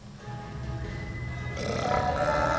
じゃてでさわってください。